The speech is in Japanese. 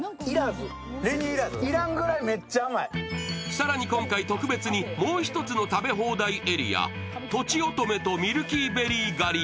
更に今回特別にもう１つの食べ放題エリア、とちおとめとミルキーベリー狩りへ。